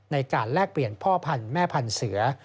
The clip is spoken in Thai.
แลกเปลี่ยนพ่อพันธุ์แม่พันธุ์เสือ